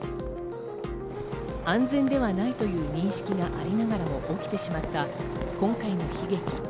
安全ではないという認識がありながらも起きてしまった今回の悲劇。